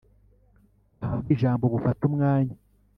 buhabwe ijambo bufate umwanya.